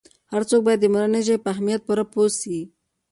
هر څوک باید د مورنۍ ژبې په اهمیت پوره پوه سي.